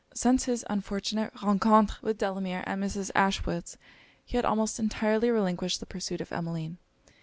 Since his unfortunate rencontre with Delamere at Mrs. Ashwood's, he had almost entirely relinquished the pursuit of Emmeline.